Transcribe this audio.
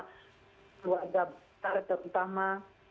keluarga besar terutama